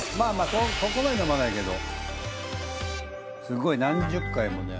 そこまで飲まないけどすごい何十回もね